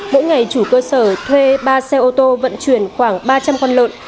mỗi ngày chủ cơ sở thuê ba xe ô tô vận chuyển khoảng ba trăm linh con lợn